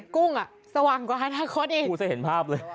กุ้งสว่างกว่านาคจะเห็นภาพเลย